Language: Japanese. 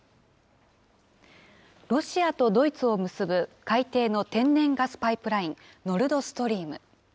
ロシアとドイツを結ぶ海底の天然ガスパイプライン、ノルドストリーム。